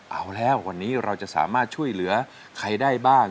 เอาแล้ววันนี้เราจะสามารถช่วยเหลือใครได้บ้าง